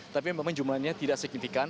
tapi memang jumlahnya tidak signifikan